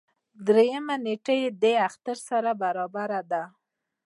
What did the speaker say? دريیمه نېټه یې د اختر سره برابره ده.